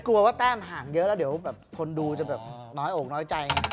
กลัวว่าแต้มห่างเยอะแล้วเดี๋ยวแบบคนดูจะแบบน้อยอกน้อยใจ